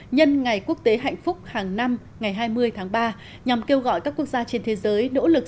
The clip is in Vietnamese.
nhân ngày quốc tế hạnh phúc hàng năm ngày hai mươi tháng ba nhằm kêu gọi các quốc gia trên thế giới nỗ lực